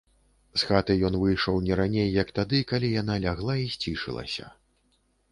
З хаты ён выйшаў не раней як тады, калі яна лягла і сцішылася.